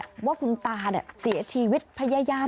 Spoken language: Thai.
ตัวเองก็คอยดูแลพยายามเท็จตัวให้ตลอดเวลา